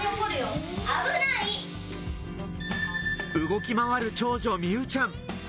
動き回る長女・美羽ちゃん。